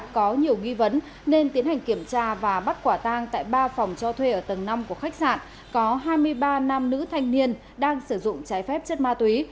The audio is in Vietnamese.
có nhiều nghi vấn nên tiến hành kiểm tra và bắt quả tang tại ba phòng cho thuê ở tầng năm của khách sạn có hai mươi ba nam nữ thanh niên đang sử dụng trái phép chất ma túy